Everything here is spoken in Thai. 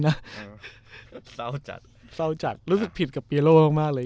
ในด้านทีมชหา๑๙๕๖ไปที่ปีโอโหล